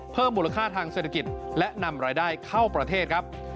เพิ่มมูลค่าทางเศรษฐกิจและนำรายได้เข้าประเทศครับ